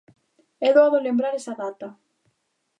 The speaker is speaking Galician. É doado lembrar esa data.